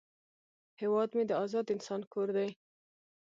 هیواد مې د آزاد انسان کور دی